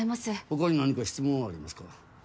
他に何か質問はありますか？